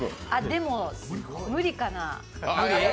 でも、無理かな。